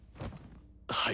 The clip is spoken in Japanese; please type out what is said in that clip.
はい。